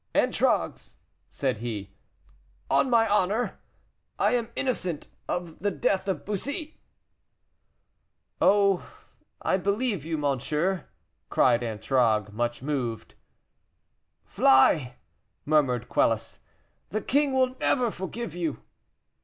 "Antragues," said he, "on my honor, I am innocent of the death of Bussy." "Oh! I believe you, monsieur," cried Antragues, much moved. "Fly!" murmured Quelus; "the king will never forgive you."